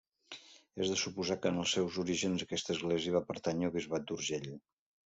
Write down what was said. És de suposar que en els seus orígens aquesta església va pertànyer al bisbat d'Urgell.